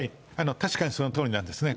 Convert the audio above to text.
確かにそのとおりなんですね。